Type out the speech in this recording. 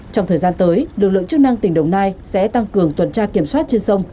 trong thời gian tới lực lượng chức năng tỉnh đồng nai sẽ tăng cường tuần tra kiểm soát trên sông